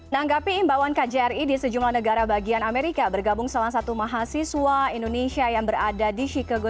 nanggapi imbauan kjri di sejumlah negara bagian amerika bergabung salah satu mahasiswa indonesia yang berada di chicago